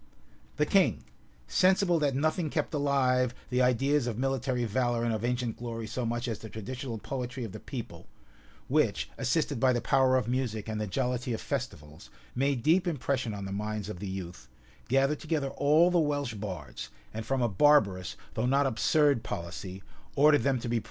The king, sensible that nothing kept alive the ideas of military valor and of ancient glory so much as the traditional poetry of the people, which, assisted by the power of music and the jollity of festivals, made deep impression on the minds of the youth, gathered together all the Welsh bards, and from a barbarous, though not absurd policy, ordered them to be put to death.